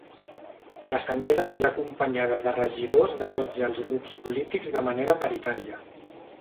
La senyera anirà acompanyada de regidors de tots els grups polítics de manera paritària.